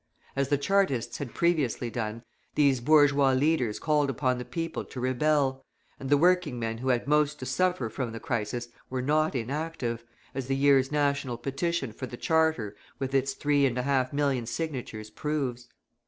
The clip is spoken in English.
As the Chartists had previously done, these bourgeois leaders called upon the people to rebel; and the working men who had most to suffer from the crisis were not inactive, as the year's national petition for the charter with its three and a half million signatures proves.